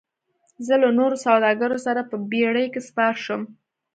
زه له نورو سوداګرو سره په بیړۍ کې سپار شوم.